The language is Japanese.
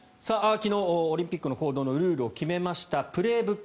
昨日、オリンピックの行動のルールを決めました「プレーブック」